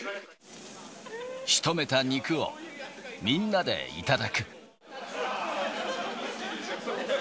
しとめた肉を、みんなで頂く。